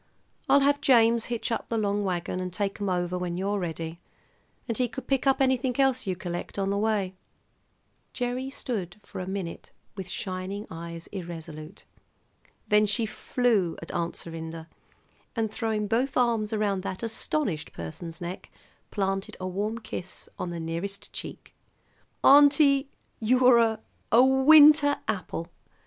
I'll have James hitch up the long wagon and take 'em over when you're ready, and he could pick up anything else you collect, on the way." Gerry stood for a minute with shining eyes, irresolute. Then she flew at Aunt Serinda, and, throwing both arms around that astonished person's neck, planted a warm kiss on the nearest cheek. "Auntie, you're a a winter apple!